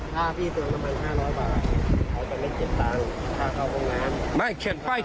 ถ้าพี่เติมละ๕๐๐บาทจะไม่เก็บตังค์